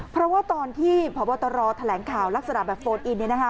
เพราะว่าตอนที่พบตรแถลงข่าวลักษณะแบบโฟนอิน